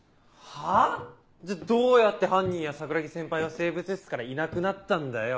はぁ⁉じゃあどうやって犯人や桜樹先輩は生物室からいなくなったんだよ。